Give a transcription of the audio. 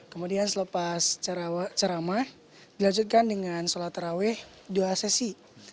kemudian selepas ceramah dilanjutkan dengan sholat terawih dua sesi